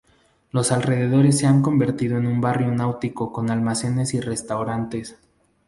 Los alrededores se han convertido en un barrio náutico con almacenes y restaurantes.